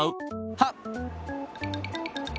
はっ！